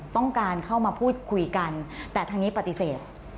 ต้องการเข้ามาพูดคุยกันแต่ทางนี้ปฏิเสธ